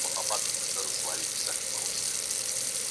د پښتو د خوندي کولو لپاره باید په رسنیو کي په پښتو خبري وسو.